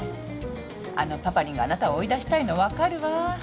あのパパリンがあなたを追い出したいの分かるわ。